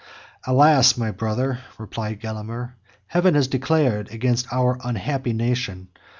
"Alas! my brother," replied Gelimer, "Heaven has declared against our unhappy nation.